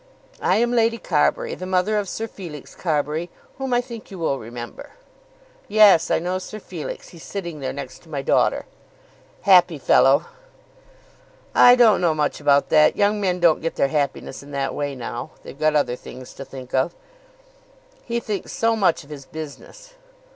I am Lady Carbury, the mother of Sir Felix Carbury, whom I think you will remember." "Yes; I know Sir Felix. He's sitting there, next to my daughter." "Happy fellow!" "I don't know much about that. Young men don't get their happiness in that way now. They've got other things to think of." "He thinks so much of his business."